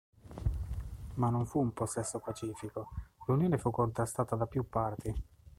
Ma non fu un possesso pacifico, l'unione fu contrastata da più parti.